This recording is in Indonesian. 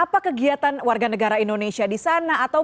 apa kegiatan warga negara indonesia di sana